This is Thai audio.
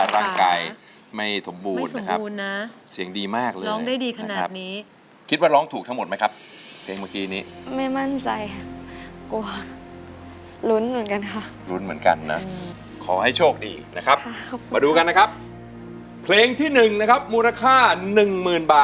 รักคนเดียวน้องจึงต้องร้อง